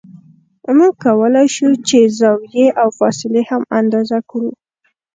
موږ کولای شو چې زاویې او فاصلې هم اندازه کړو